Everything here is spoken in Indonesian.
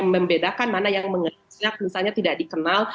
membedakan mana yang mengenyak misalnya tidak dikenal